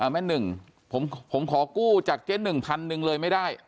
แม่หนึ่งผมขอกู้จากเจ๊หนึ่งพันหนึ่งเลยไม่ได้